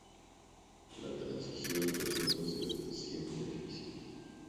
La transición resulta ser siempre difícil.